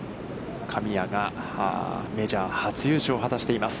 神谷が、メジャー初優勝を果たしています。